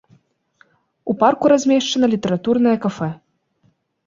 У парку размешчана літаратурнае кафэ.